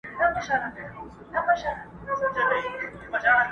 o کوزه په دري چلي ماتېږي!